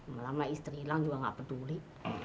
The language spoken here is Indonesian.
malah malah istri hilang juga nggak peduli